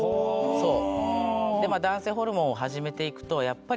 そう。